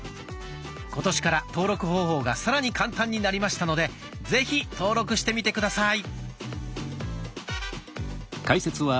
今年から登録方法がさらに簡単になりましたのでぜひ登録してみて下さい。